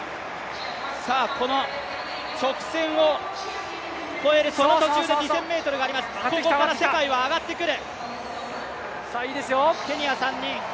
この直線を越えるその途中で２０００ｍがあります、ここから世界は上がってくる。